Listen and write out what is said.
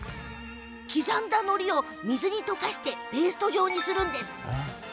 刻んだのりを水に溶かしペースト状にします。